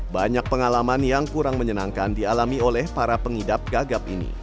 banyak pengalaman yang kurang menyenangkan dialami oleh para pengidap gagap ini